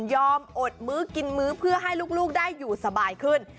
อดมื้อกินมื้อเพื่อให้ลูกได้อยู่สบายขึ้น